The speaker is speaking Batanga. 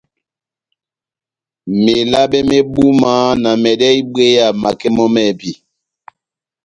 Melabɛ mé búma na mɛdɛ́hɛ́ ibwéya makɛ mɔ́ mɛ́hɛ́pi.